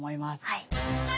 はい。